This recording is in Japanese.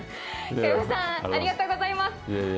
小籔さん、ありがとうございます。